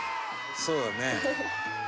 「そうだね」